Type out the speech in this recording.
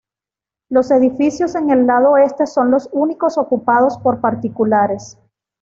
Los edificios en el lado oeste son los únicos ocupados por particulares.